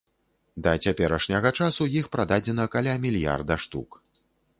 Да цяперашняга часу іх прададзена каля мільярда штук.